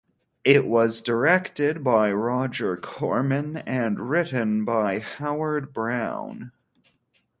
It was directed by Roger Corman and written by Howard Browne.